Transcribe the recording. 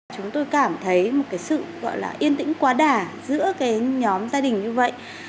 chúng tôi cảm thấy một sự yên tĩnh quá đà giữa nhóm gia đình như vậy